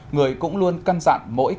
người cũng luôn căn dặn mỗi